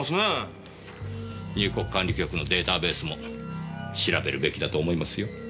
入国管理局のデータベースも調べるべきだと思いますよ。